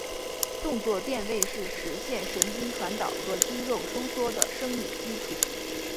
动作电位是实现神经传导和肌肉收缩的生理基础。